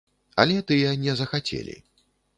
Але тыя не захацелі.